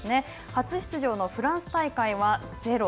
初出場のフランス大会はゼロ。